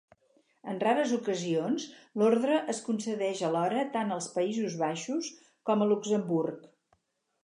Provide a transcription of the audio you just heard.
En rares ocasions, l'orde es concedeix alhora tant als Països Baixos com a Luxemburg.